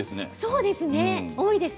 そうです、多いです。